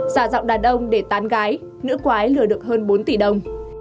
giả giọng đàn ông để tán gái nữ quái lừa được hơn bốn tỷ đồng